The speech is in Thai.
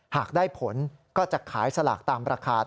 หากได้ผลก็จะขายสลากตามราคา